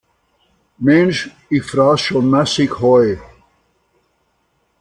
Mensch, ich fraß schon massig Heu.